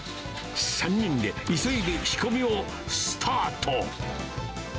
３人で急いで仕込みをスタート。